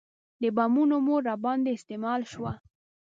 د بمونو مور راباندې استعمال شوه.